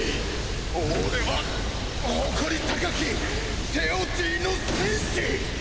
俺は誇り高きテオティの戦士！